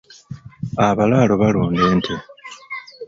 Abalaalo balunda ente.